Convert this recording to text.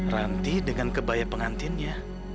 ranti dengan kebaya pengantinnya